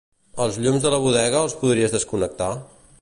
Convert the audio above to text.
Els llums de la bodega els podries desconnectar?